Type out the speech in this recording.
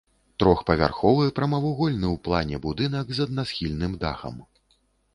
Трохпавярховы прамавугольны ў плане будынак з аднасхільным дахам.